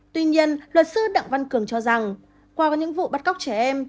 tuy nhiên luật sư đặng văn cường cho rằng qua những vụ bắt cóc trẻ em